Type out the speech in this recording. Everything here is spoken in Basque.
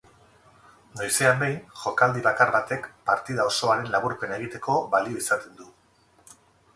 Noizean behin jokaldi bakar batek partida osoaren laburpena egiteko balio izaten du.